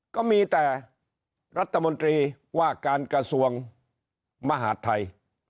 ก็มีแต่รัฐมนตรีว่าการกระทรวงมหาดไทย